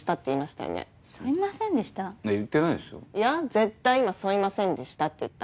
絶対今「そいませんでした」って言った。